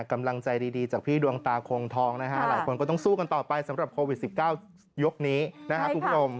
กำลังใจดีจากพี่ดวงตาคงทองนะฮะหลายคนก็ต้องสู้กันต่อไปสำหรับโควิด๑๙ยกนี้นะครับคุณผู้ชม